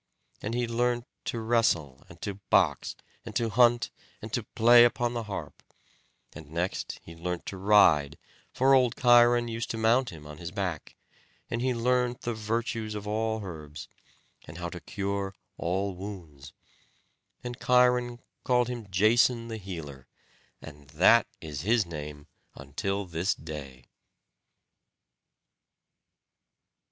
And he learnt to wrestle, and to box, and to hunt, and to play upon the harp; and next he learnt to ride, for old Cheiron used to mount him on his back; and he learnt the virtues of all herbs, and how to cure all wounds; and Cheiron called him Jason the healer, and that is his name until this day.